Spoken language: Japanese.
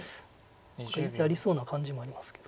何かいい手ありそうな感じもありますけど。